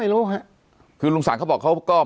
เพราะฉะนั้นประชาธิปไตยเนี่ยคือการยอมรับความเห็นที่แตกต่าง